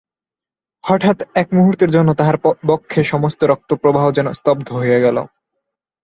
হঠাৎ এক মুহূর্তের জন্য তাহার বক্ষে সমস্ত রক্তপ্রবাহ যেন স্তব্ধ হইয়া গেল।